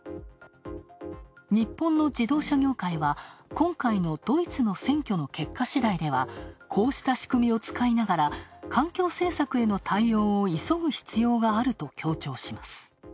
日本の自動車業界は今回のドイツの選挙の結果しだいではこうした仕組みを使いながら、環境政策への対応を急ぐ必要があると強調します。